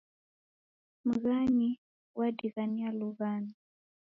Mghani wadighania lughano